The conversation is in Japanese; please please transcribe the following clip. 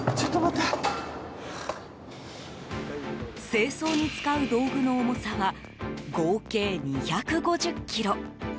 清掃に使う道具の重さは合計２５０ｋｇ。